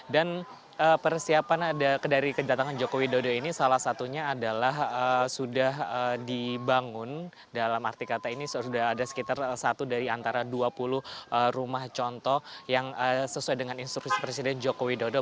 dan persiapan dari kedatangan jokowi dodo ini salah satunya adalah sudah dibangun dalam arti kata ini sudah ada sekitar satu dari antara dua puluh rumah contoh yang sesuai dengan instruksi presiden jokowi dodo